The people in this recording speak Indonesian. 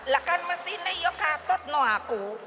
lah kan mesinnya ya katot sama aku